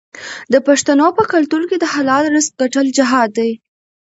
د پښتنو په کلتور کې د حلال رزق ګټل جهاد دی.